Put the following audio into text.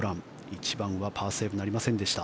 １番はパーセーブなりませんでした。